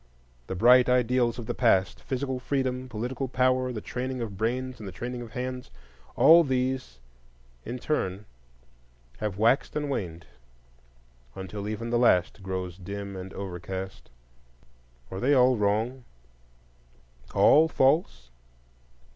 The bright ideals of the past,—physical freedom, political power, the training of brains and the training of hands,—all these in turn have waxed and waned, until even the last grows dim and overcast. Are they all wrong,—all false?